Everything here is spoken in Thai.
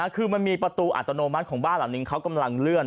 คือมันมีประตูอัตโนมัติของบ้านหลังนึงเขากำลังเลื่อน